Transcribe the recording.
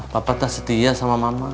bapak tak setia sama mama